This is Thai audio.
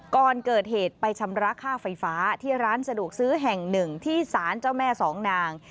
ก่อนเกิดเหตุไปชำระค่าไฟฟ้าที่ร้านสะดวกซื้อแห่งหนึ่งที่สารเจ้าแม่สองนาง